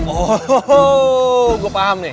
oh gue paham nih